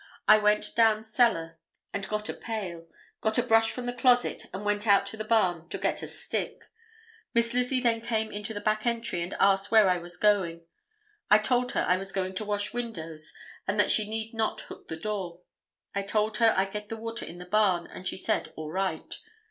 I went down cellar and got a pail, got a brush from the closet and went out to the barn to get a stick. Miss Lizzie then came into the back entry and asked where I was going. I told her I was going to wash windows and that she need not hook the door. I told her I'd get the water in the barn, and she said all right.